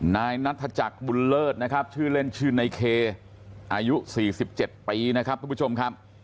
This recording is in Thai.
นายนัทธจักรบุญเลิศนะครับชื่อเล่นชื่อในเคอายุ๔๗ปีนะครับทุกผู้ชมครับ